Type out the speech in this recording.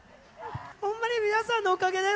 ほんまに皆さんのおかげです。